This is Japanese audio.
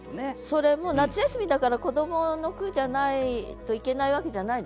それも「夏休」だから子どもの句じゃないといけないわけじゃないでしょ。